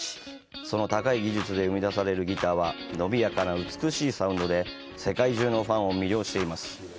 その高い技術で生み出されるギターは伸びやかな美しいサウンドで世界中のファンを魅了しています。